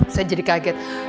saya jadi kaget